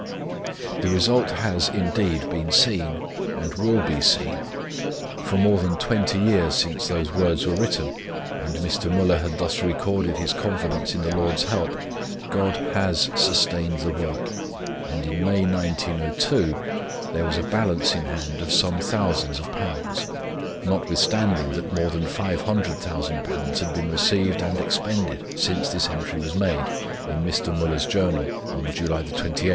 The result has indeed been seen, and will be seen. For more than 20 years since those words were written and Mr. Müller had thus recorded his confidence in the Lord's help, God HAS sustained the work, and in May, 1902, there was a balance in hand of some thousands of pounds, notwithstanding that more than £500,000 had been received and expended since this entry was made in Mr. Müller's journal on July 28, 1881.